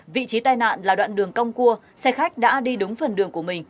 vị trí tai nạn là đoạn đường cong cua xe khách đã đi đúng phần đường của mình